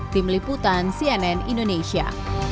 tim liputan cnn indonesia